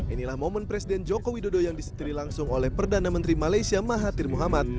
inilah momen presiden joko widodo yang disetiri langsung oleh perdana menteri malaysia mahathir muhammad